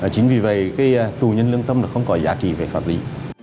chính vì vậy tù nhân lương tâm không có giá trị về pháp lý